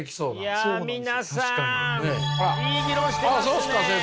いや皆さんいい議論してますね！